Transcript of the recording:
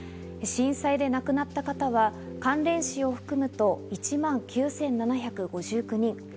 震災で亡くなった方は関連死を含むと１万９７５９人。